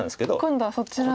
今度はそちら側で。